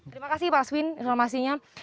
terima kasih pak aswin informasinya